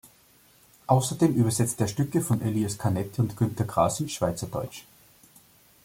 Ausserdem übersetzte er Stücke von Elias Canetti und Günter Grass in Schweizerdeutsch.